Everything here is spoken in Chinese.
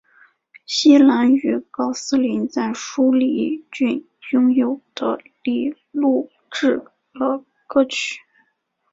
希兰于高斯林在舒梨郡拥有的里录制了歌曲。